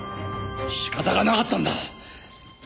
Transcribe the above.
仕方がなかったんだ。